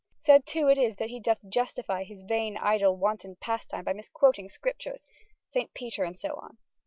Sad too it is that he doth justifye his vain idle wanton pasttyme by misquoting scriptures. Saint Peter, and soe on.